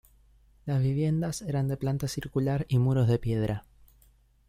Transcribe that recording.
Las viviendas eran de planta circular y muros de piedra.